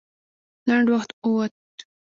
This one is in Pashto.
لنډ وخت ووت.